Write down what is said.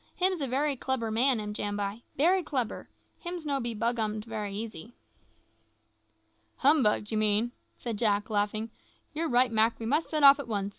Him's a bery clebber king, am Jambai bery clebber; him's no be bughummed bery easy." "Humbugged, you mean," said Jack, laughing. "You're right, Mak; we must set off at once.